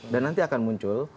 dan nanti akan muncul